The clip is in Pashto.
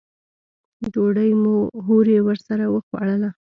ډوډۍ مو هورې ورسره وخوړله.